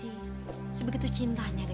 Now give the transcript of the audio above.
yang saya kena pengen gimana